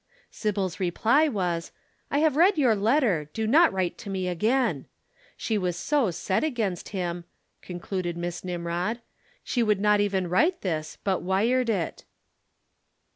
"Sybil's reply was: 'I have read your letter. Do not write to me again.' She was so set against him," concluded Miss Nimrod, "she would not even write this but wired it."